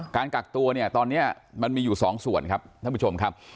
การกักตัวเนี่ยตอนนี้มันมีอยู่สองส่วนครับท่านผู้ชมครับ